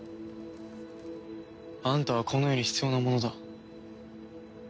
あんたはこの世に必要な者だ。